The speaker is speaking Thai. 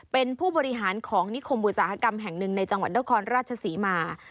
เป็นผู้บริหารของนิคมอุตสาหกรรมแห่งหนึ่งในจังหวัดนครราชศรีมา